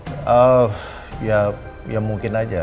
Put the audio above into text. eee ya mungkin aja